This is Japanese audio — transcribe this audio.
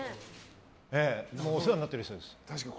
お世話になってる人です。